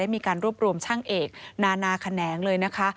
มีการรวบรวมช่างเอกนานาแขนงเลยนะคะ